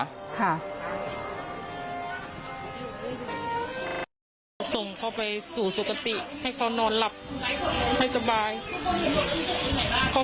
ส่งเขาไปสู่สุขติให้เขานอนหลับให้สบาย